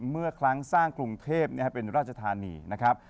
เมื่อครั้งสร้างกรุงเทพเป็นราชธานีนะครับ